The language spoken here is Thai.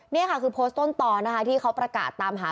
นี่ค่ะคือโพสต์ต้นตอนนะคะที่เขาประกาศตามหา